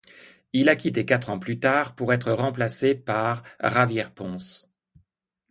Il a quitté quatre ans plus tard pour être remplacé par Javier Pons.